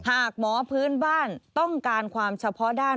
หากหมอพื้นบ้านต้องการความเฉพาะด้าน